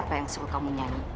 pajar pajar tunggu jam